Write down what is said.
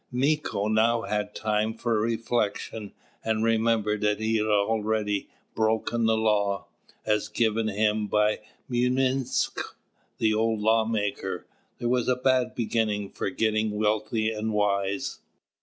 Mīko now had time for reflection; and remembered that he had already broken the Law, as given him by Mūinsq', the old Law Maker. This was a bad beginning for getting wealthy and wise.